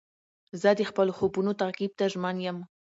زه د خپلو خوبو تعقیب ته ژمن یم.